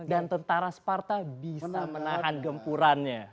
dan tentara separta bisa menahan gempurannya